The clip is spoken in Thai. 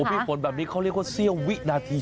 พี่ฝนแบบนี้เขาเรียกว่าเสี้ยววินาที